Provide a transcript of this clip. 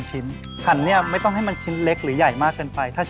ชอบเด็กชอบเด็กด้วย